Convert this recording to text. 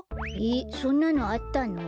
えっそんなのあったの？